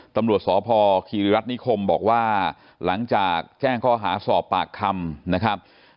ตำรวจสพคีริรัฐนิคมบอกว่าหลังจากแจ้งข้อหาสอบปากคำนะครับ